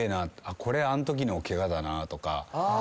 これあんときのケガだなとか。